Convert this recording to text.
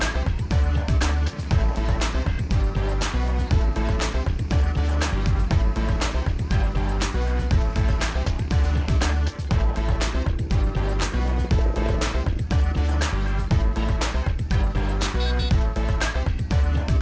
berani marahin orang